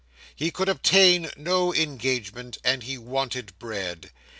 He could obtain no engagement, and he wanted bread.